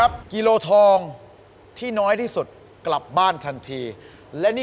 อันตรายเลย